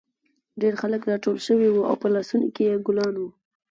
ډېر خلک راټول شوي وو او په لاسونو کې یې ګلان وو